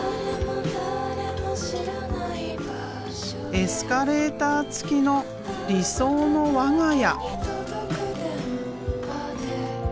エスカレーター付きの理想の我が家。